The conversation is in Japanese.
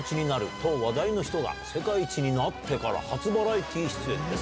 と話題の人が、世界一になってから初バラエティー出演です。